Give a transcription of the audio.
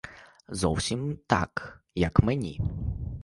Зовсім так, як мені.